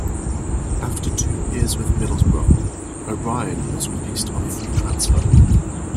After two years with Middlesbrough, O'Brien was released on a free transfer.